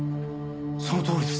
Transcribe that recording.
そのとおりです